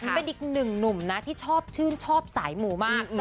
เป็นอีกหนึ่งหนุ่มนะที่ชอบชื่นชอบสายหมูมาก